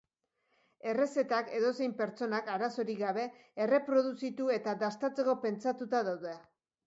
Errezetak edozein pertsonak, arazorik gabe, erreproduzitu eta dastatzeko pentsatuta daude.